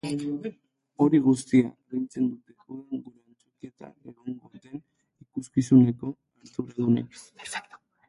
Hori guztia agintzen dute udan gure antzokietan egongo den ikuskizuneko arduradunek.